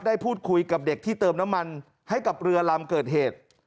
ได้พูดคุยกับเด็กที่เติมน้ำมันให้กับเรือลำเกิดเหตุ